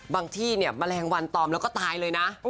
ที่เนี่ยแมลงวันตอมแล้วก็ตายเลยนะ